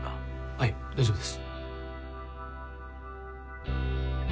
はい大丈夫です。